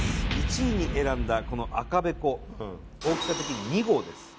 １位に選んだこの赤べこ大きさ的に２号です